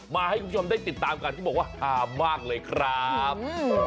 ให้คุณผู้ชมได้ติดตามกันเขาบอกว่าหามากเลยครับ